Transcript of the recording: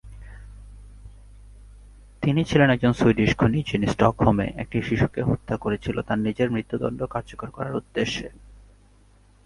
তিনি ছিলেন একজন সুইডিশ খুনী, যিনি স্টকহোমে একটি শিশুকে হত্যা করেছিল তার নিজের মৃত্যুদন্ড কার্যকর করার উদ্দেশ্যে।